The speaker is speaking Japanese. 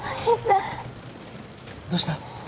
どうした？